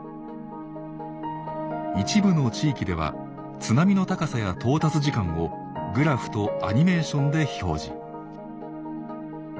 一部の地域では津波の高さや到達時間をグラフとアニメーションで表示。